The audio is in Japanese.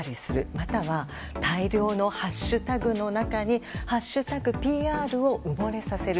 または大量のハッシュタグの中に「＃ＰＲ」を埋もれさせる。